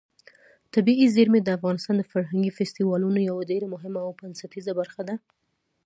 طبیعي زیرمې د افغانستان د فرهنګي فستیوالونو یوه ډېره مهمه او بنسټیزه برخه ده.